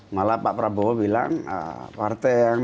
malah pak prabowo bilang partai yang non parlamen